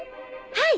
はい！